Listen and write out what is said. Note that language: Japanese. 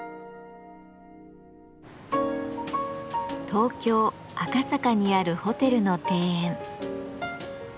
東京・赤坂にあるホテルの庭園。